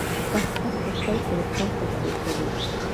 په حقیقت کې خپل کرکټر تشریح کوي.